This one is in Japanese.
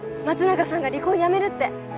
松永さんが離婚やめるって。